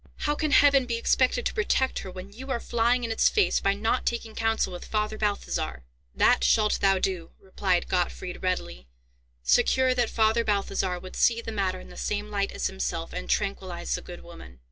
"How can Heaven be expected to protect her when you are flying in its face by not taking counsel with Father Balthazar?" "That shalt thou do," replied Gottfried, readily, secure that Father Balthazar would see the matter in the same light as himself, and tranquillize the good woman.